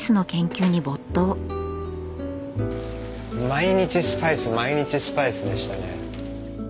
毎日スパイス毎日スパイスでしたね。